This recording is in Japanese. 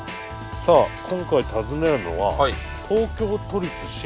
さあ今回訪ねるのは東京都立神経病院です。